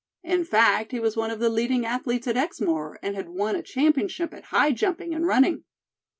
In fact, he was one of the leading athletes at Exmoor, and had won a championship at high jumping and running.